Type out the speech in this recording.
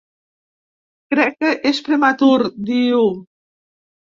Crec que és prematur, diu.